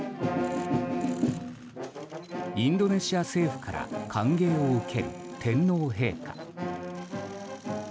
インドネシア政府から歓迎を受ける天皇陛下。